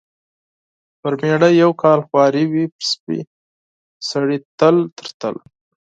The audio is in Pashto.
پر مېړه یو کال خواري وي، پر سپي سړي تل تر تله.